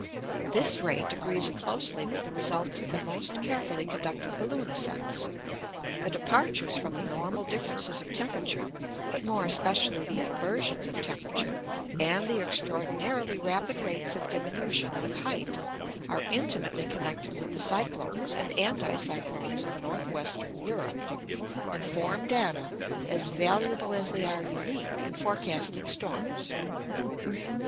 This rate agrees closely with the results of the most carefully conducted balloon ascents. The departures from the normal differences of temperature, but more especially the inversions of temperature, and the extraordinarily rapid rates of diminution with height, are intimately connected with the cyclones and anti cyclones of North Western Europe; and form data, as valuable as they are unique, in forecasting storms.